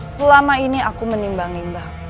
selama ini aku menimbang nimbang